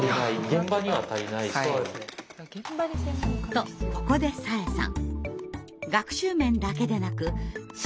とここで紗英さん。